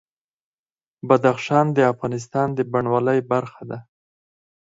بدخشان د افغانستان د بڼوالۍ برخه ده.